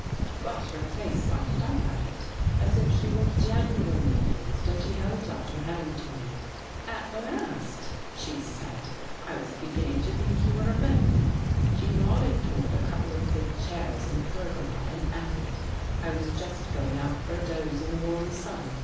" But her face lighted up at it, as if she were genuinely pleased, and she held out her hand to me. ' At last !' she said. ' I was beginning to think you were a myth.' She nodded toward a couple of big chairs in the pergola and added: 'I was just going out for a doze in the warm sun.